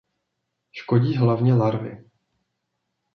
Škodí hlavně larvy.